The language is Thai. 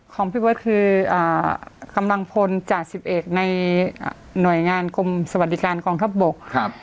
ของพี่เบิร์ตคือกำลังพลจ่าสิบเอกในหน่วยงานกรมสวัสดิการกองทัพบก